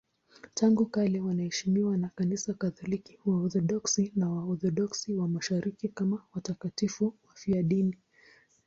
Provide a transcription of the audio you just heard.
Tangu kale wanaheshimiwa na Kanisa Katoliki, Waorthodoksi na Waorthodoksi wa Mashariki kama watakatifu wafiadini.